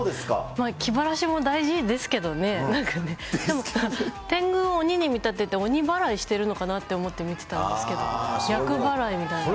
気晴らしも大事ですけどね、なんかね、でも、天狗を鬼に見立てて、鬼払いしてるのかなって思って見てたんですけど、厄払いみたいな。